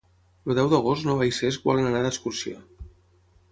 El deu d'agost na Noa i en Cesc volen anar d'excursió.